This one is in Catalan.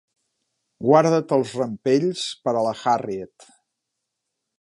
Guarda't els rampells per a la Harriet.